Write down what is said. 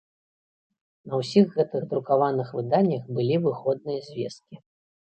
На ўсіх гэтых друкаваных выданнях былі выходныя звесткі.